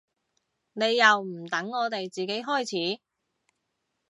你又唔等我哋自己開始